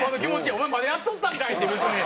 「お前まだやっとんたんかい」って別に。